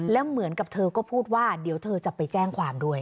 แล้วเหมือนกับเธอก็พูดว่าเดี๋ยวเธอจะไปแจ้งความด้วย